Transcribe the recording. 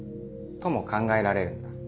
とも考えられるんだ。